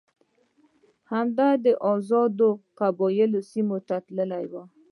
هغه د آزادو قبایلو سیمې ته تللی وو.